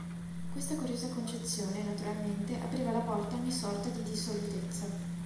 Questa curiosa concezione, naturalmente, apriva la porta a ogni sorta di dissolutezza.